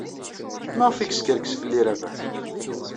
Maɣef ay yeskerkes fell-i Rabaḥ?